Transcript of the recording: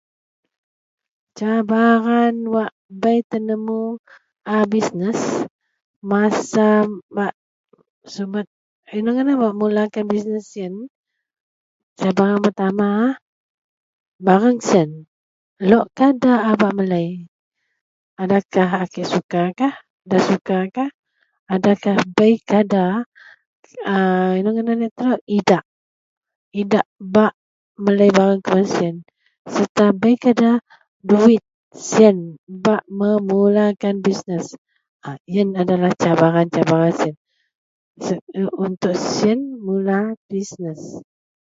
Cabaran wak bei tenemu a bisnes masa bak subet inou ngadan wak mulakan bisnes yen. Cabaran pertama, bareng siyen, lok kah nda a bak melei. Adakah a kek sukakah, nda sukakah? Adakah bei tada, a inou ngadan itou idak, idak bak melei bareng kuman siyen sereta bei kah nda duwit siyen bak memulakan bisnes? A.. yen adalah cabaran-cabaran siyen untuk siyen mula bisnes